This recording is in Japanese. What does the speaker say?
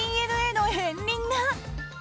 ＤＮＡの片鱗が。